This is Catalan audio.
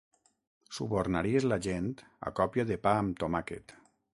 Subornaries la gent a còpia de pa amb tomàquet.